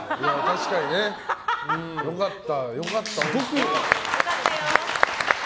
確かにね。良かった。